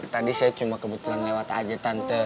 tadi saya cuma kebetulan lewat aja tante